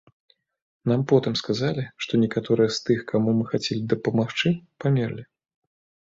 Нам потым сказалі, што некаторыя з тых, каму мы хацелі дапамагчы, памерлі.